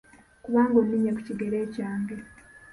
Kubanga oninnye ku kigere kyange!